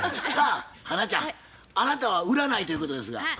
さあ花ちゃんあなたは売らないということですが。